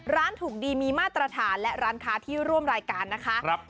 ร้านถูกดีมีมาตรฐานและร้านค้าที่ร่วมรายการนะคะ